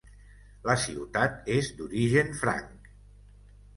La ciutat és d'origen franc.